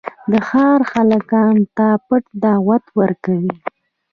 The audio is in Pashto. د ښار هلکانو ته پټ دعوت ورکوي.